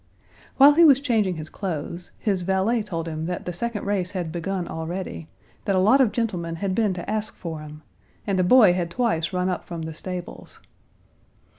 While he was changing his clothes, his valet told him that the second race had begun already, that a lot of gentlemen had been to ask for him, and a boy had twice run up from the stables.